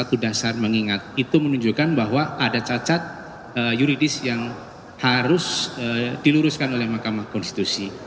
satu dasar mengingat itu menunjukkan bahwa ada cacat yuridis yang harus diluruskan oleh mahkamah konstitusi